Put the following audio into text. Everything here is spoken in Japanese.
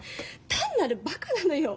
単なるバカなのよ。